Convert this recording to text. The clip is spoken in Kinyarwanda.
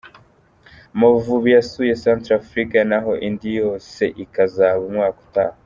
Amavubi yasuye Centrafrique naho indi yose ikazaba umwaka utaha.